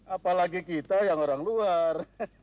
apalagi kita yang orang luar